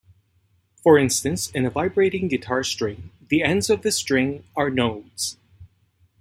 For instance, in a vibrating guitar string, the ends of the string are nodes.